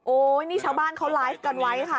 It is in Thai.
นี่ชาวบ้านเขาไลฟ์กันไว้ค่ะ